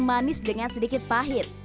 manis dengan sedikit pahit